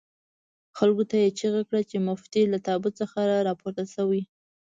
خلکو ته یې چيغه کړه چې متوفي له تابوت څخه راپورته شوي دي.